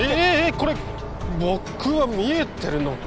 これ僕は見えてるのか？